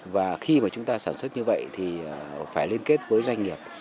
và khi mà chúng ta sản xuất như vậy thì phải liên kết với doanh nghiệp